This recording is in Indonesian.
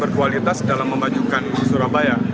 berkualitas dalam membajukan surabaya